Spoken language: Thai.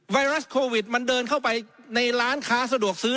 ไวรัสโควิดมันเดินเข้าไปในร้านค้าสะดวกซื้อ